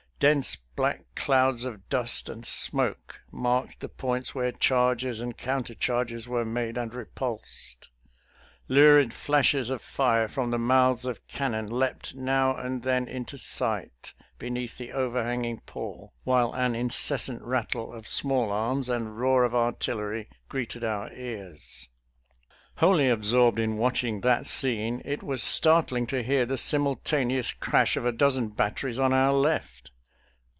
Dense black clouds of dust and smoke marked the points where charges and countercharges were made and repulsed, lurid flashes of fire from the mouths of cannon leaped now and then into sight beneath the overhanging pall, while an incessant rattle of small arms and roar of artillery greeted our ears. Wholly absorbed in watching that scene, it was startling to hear the simultaneous crash of a dozen batteries on our left.